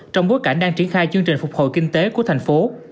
trong bối cảnh đang triển khai chương trình phục hồi kinh tế của thành phố